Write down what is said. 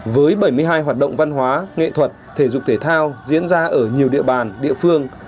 với bảy mươi hai hoạt động văn hóa nghệ thuật thể dục thể thao diễn ra ở nhiều địa bàn địa phương